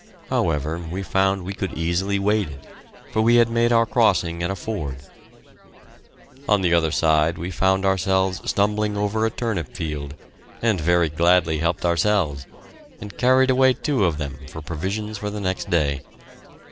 However, we found we could easily wade it, for we had made our crossing at a ford. On the other side we found ourselves stumbling over a turnip field, and very gladly helped ourselves, and carried away two of them for provisions for the next day.